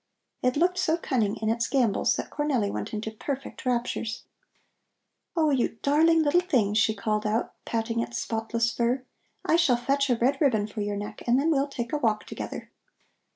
It looked so cunning in its gambols that Cornelli went into perfect raptures. "Oh, you darling little thing!" she called out, patting its spotless fur; "I shall fetch a red ribbon for your neck and then we'll take a walk together."